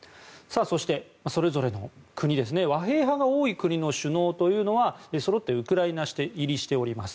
そして、それぞれの国和平派が多い国の首相というのはそろってウクライナ入りしております。